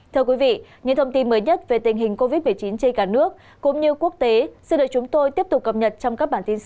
thưa quý vị những thông tin mới nhất về tình hình covid một mươi chín trên cả nước cũng như quốc tế xin đợi chúng tôi tiếp tục cập nhật trong các bản tin sau